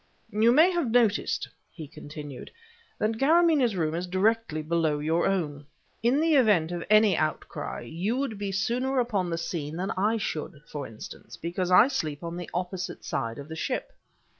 "You may have noticed," he continued, "that Karamaneh's room is directly below your own. In the event of any outcry, you would be sooner upon the scene than I should, for instance, because I sleep on the opposite side of the ship.